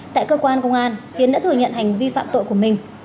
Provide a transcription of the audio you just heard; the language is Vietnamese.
tại cơ quan công an tiến đã thừa nhận hành vi phạm tội của mình